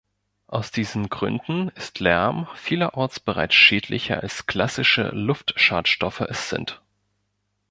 Aus diesen Gründen ist Lärm vielerorts bereits schädlicher als klassische Luftschadstoffe es sind.